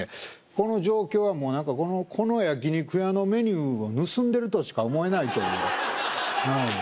この状況はもう何かこの焼き肉屋のメニューを盗んでるとしか思えないというはい